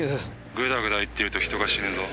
「グダグダ言ってると人が死ぬぞ」